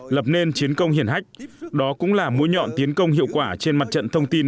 lập nên chiến công hiển hách đó cũng là mũi nhọn tiến công hiệu quả trên mặt trận thông tin